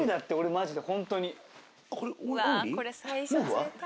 マジで。